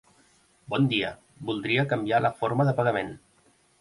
Bon dia, voldria canviar la forma de pagament.